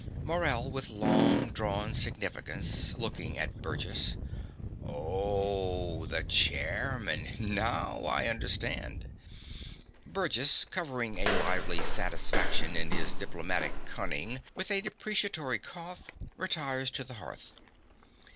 MORELL (with long drawn significance, looking at Burgess). O o o h, the chairman. NOW I understand. (Burgess, covering a lively satisfaction in his diplomatic cunning with a deprecatory cough, retires to the hearth.